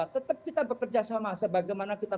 tetap kita bekerja sama sebagaimana kita